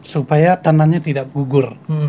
supaya tanahnya tidak gugur